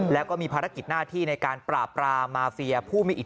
แล้วก็มีภารกิจหน้าที่ในการปราบปรามมาเฟียผู้มีอิท